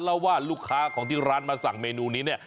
เล่าว่าลูกค้าของที่ร้านมาสั่งเมนูนี้เนี่ย